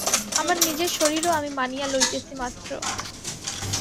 আমার নিজের শরীরও আমি মানিয়া লইতেছি মাত্র।